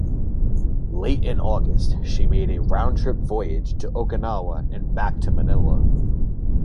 Late in August, she made a round-trip voyage to Okinawa and back to Manila.